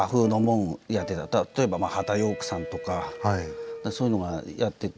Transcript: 例えば波田陽区さんとかそういうのがやってて。